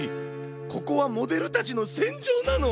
ここはモデルたちのせんじょうなの！